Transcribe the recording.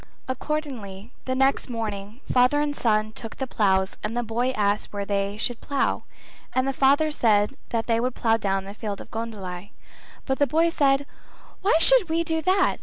Accordingly the next morning father and son took out the ploughs and the boy asked where they should plough, and the father said that they would plough down the field of goondli. But the boy said "Why should we do that?